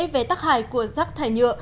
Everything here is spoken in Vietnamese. về tắc hải của rác thải nhựa